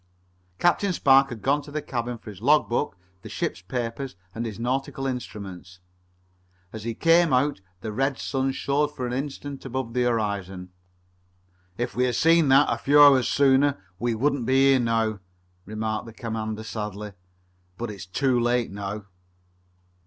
Captain Spark had gone to his cabin for his log book, the ship's papers, and his nautical instruments. As he came out the red sun showed for an instant above the horizon. "If we had seen that a few hours sooner we wouldn't be here now," remarked the commander sadly. "But it's too late now."